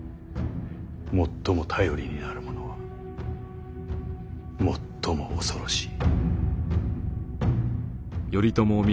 最も頼りになる者は最も恐ろしい。